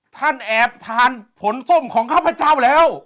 ท่านแอบทานผลส้มของข้าพเจ้าแล้ว